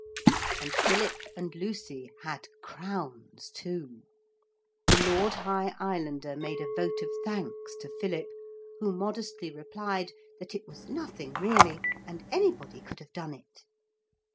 And Philip and Lucy had crowns too. The Lord High Islander made a vote of thanks to Philip, who modestly replied that it was nothing, really, and anybody could have done it.